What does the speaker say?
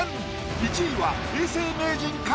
１位は永世名人か？